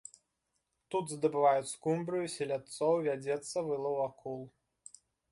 Тут здабываюць скумбрыю, селядцоў, вядзецца вылаў акул.